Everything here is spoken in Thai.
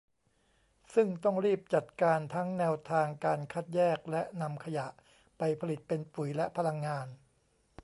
ซึ่งต้องรีบจัดการทั้งแนวทางการคัดแยก และ นำขยะไปผลิตเป็นปุ๋ยและพลังงาน